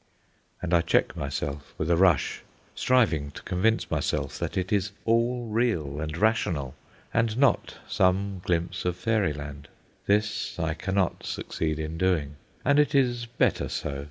And I check myself with a rush, striving to convince myself that it is all real and rational, and not some glimpse of fairyland. This I cannot succeed in doing, and it is better so.